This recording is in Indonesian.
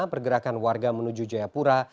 pergerakan warga menuju jayapura